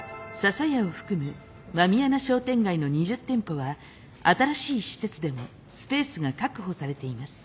笹屋を含む狸穴商店街の２０店舗は新しい施設でもスペースが確保されています。